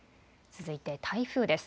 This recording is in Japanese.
続いて台風です。